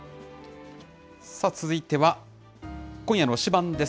続いては、今夜の推しバン！です。